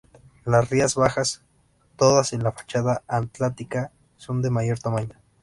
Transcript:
Las Rías Bajas, todas en la fachada atlántica, son de mayor tamaño.